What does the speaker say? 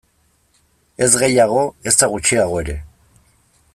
Ez gehiago, ezta gutxiago ere.